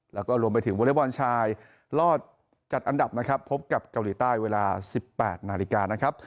แล้วก็รวมไปถึงวอเล็กบอลชายรอดจัดอันดับนะครับพบกับเกาหลีใต้เวลา๑๘นาฬิกานะครับ